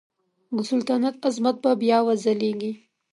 د سلطنت عظمت به بیا وځلیږي.